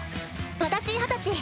私二十歳。